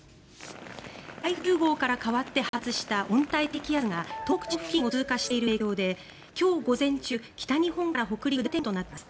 台風９号から変わって発達した温帯低気圧が東北地方付近を通過している影響で今日午前中、北日本から北陸で荒れた天気となっています。